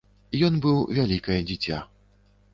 Ён быў вялікае дзіця.